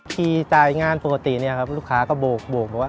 ทีรายงานปกตินี่ครับลูกค้าก็โบก